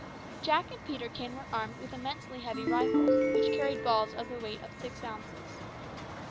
Jack and Peterkin were armed with immensely heavy rifles, which carried balls of the weight of six ounces.